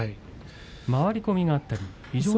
回り込みがあったり。